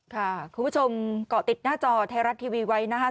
ค่ะคุณผู้ชมก็ติดหน้าจอไทยรัตน์ทีวีไว้นะครับ